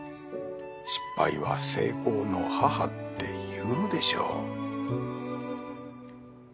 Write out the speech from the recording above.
失敗は成功の母っていうでしょ。